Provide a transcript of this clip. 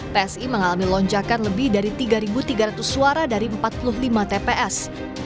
psi mengalami lonjakan lebih dari tiga tiga ratus suara dari empat puluh lima tps